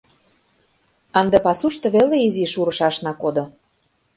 Ынде пасушто веле изиш урышашна кодо.